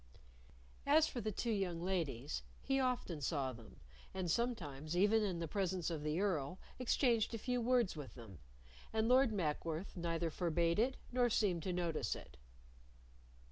As for the two young ladies, he often saw them, and sometimes, even in the presence of the Earl, exchanged a few words with them, and Lord Mackworth neither forbade it nor seemed to notice it.